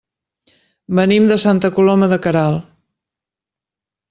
Venim de Santa Coloma de Queralt.